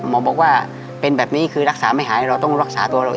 บอกว่าเป็นแบบนี้คือรักษาไม่หายเราต้องรักษาตัวเราเอง